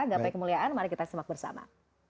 gapai kemuliaan mari kita simak bersama